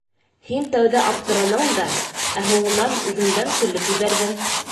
Һин тәүҙә аптыраның да, ә һуңынан үҙеңдән көлөп ебәрҙең: